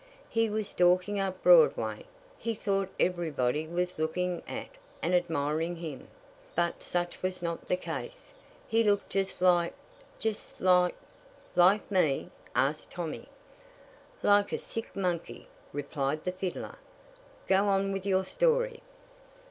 "He was stalking up Broadway. He thought every body was looking at and admiring him; but such was not the case. He looked just like just like " "Like me?" asked Tommy. "Like a sick monkey," replied the fiddler. "Go on with your story."